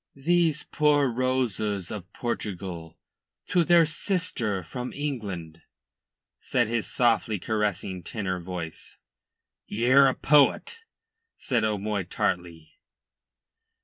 "These poor roses of Portugal to their sister from England," said his softly caressing tenor voice. "Ye're a poet," said O'Moy tartly.